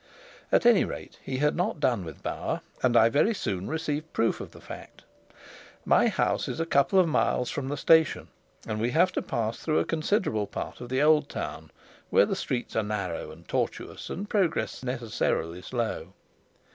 At any rate he had not done with Bauer, and I very soon received proof of the fact. My house is a couple of miles from the station, and we have to pass through a considerable part of the old town, where the streets are narrow and tortuous and progress necessarily slow.